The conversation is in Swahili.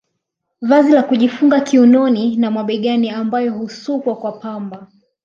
Vazi la kujifunga kiunoni na mabegani ambayo husukwa kwa pamba